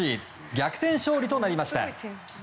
逆転勝利となりました。